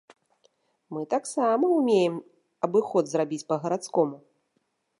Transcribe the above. Мы таксама ўмеем абыход зрабіць па-гарадскому.